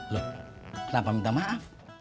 loh kenapa minta maaf